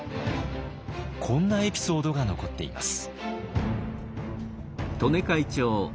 こんなエピソードが残っています。